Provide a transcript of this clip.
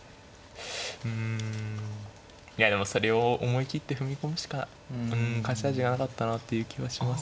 いやでもそれを思い切って踏み込むしか勝ち味がなかったなっていう気はしますね。